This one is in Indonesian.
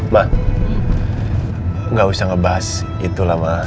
ma nggak usah ngebahas itu lah ma